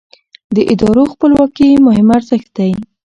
د ادارو خپلواکي مهم ارزښت دی